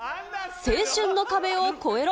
青春の壁を越えろ！